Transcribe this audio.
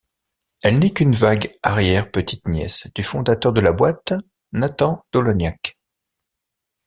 Elle n'est qu'une vague arrière-petite-nièce du fondateur de la boîte, Nathan Doloniac.